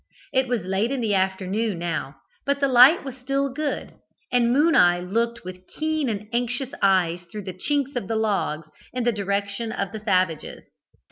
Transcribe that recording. "It was late in the afternoon now, but the light was still good, and 'Moon eye' looked with keen and anxious eyes through the chinks of the logs in the direction of the savages.